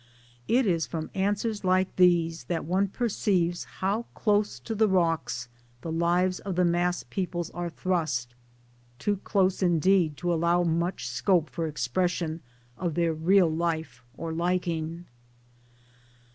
It is from answers like these that one perceives how close on the rocks the lives of the mass peoples are thrust too close indeed to allow much scope for expression of their real life or liking.